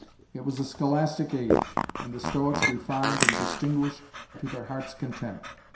It was a scholastic age, and the Stoics refined and distinguished to their hearts' content.